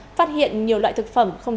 phát hiện nhiều loại thực phẩm không rõ